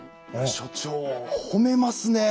所長褒めますねえ。